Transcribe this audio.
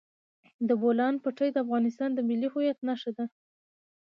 د بولان پټي د افغانستان د ملي هویت نښه ده.